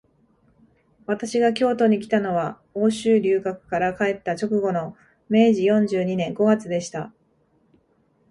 私が京都にきたのは、欧州留学から帰った直後の明治四十二年五月でした